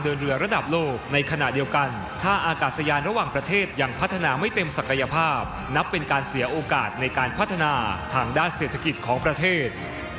จากทางด้านเศรษฐกิจของประเธษ